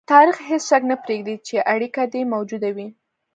تاریخ هېڅ شک نه پرېږدي چې اړیکه دې موجوده وي.